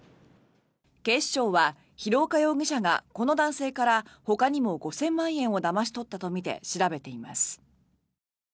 警視庁は、廣岡容疑者がこの男性からほかにも５０００万円をだまし取ったとみて調べています。